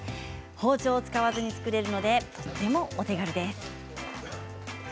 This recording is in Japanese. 包丁を使わずに作れるのでとてもお手軽です。